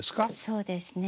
そうですね。